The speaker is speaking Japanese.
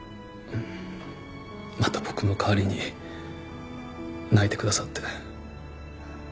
また僕の代わりに泣いてくださって。